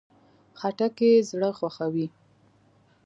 خټکی زړه خوښوي.